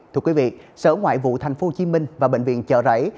thưa quý vị sở ngoại vụ tp hcm và bệnh viện chợ rẫy